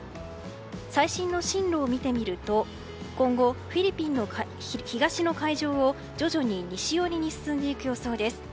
最新の進路を見てみると今後、東の海上を徐々に西寄りに進んでいく予想です。